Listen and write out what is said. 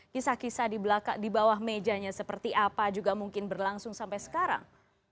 kisah kisah di bawah mejanya seperti apa juga mungkin berlangsung sampai sekarang